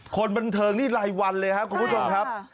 คนบันเทิงนี่รายวันเลยครับคุณผู้ชมครับ